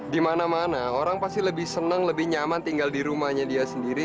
di mana mana orang pasti lebih senang lebih nyaman tinggal di rumahnya dia sendiri